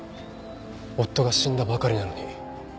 夫が死んだばかりなのに。